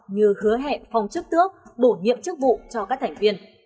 như hứa hẹn phong chức tước bổ nhiệm chức vụ cho các thành viên